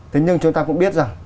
thế nhưng chúng ta cũng biết rằng